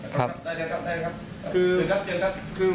คือ